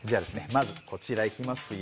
まずこちらいきますよ。